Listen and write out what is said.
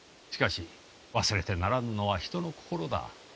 しかし忘れてならぬのは人の心だ。